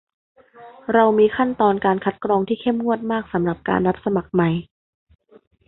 เรามีขั้นตอนการคัดกรองที่เข้มงวดมากสำหรับการรับสมัครใหม่